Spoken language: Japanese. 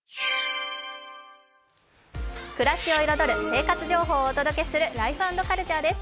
暮らしを彩る生活情報をお届けする「ライフ＆カルチャー」です。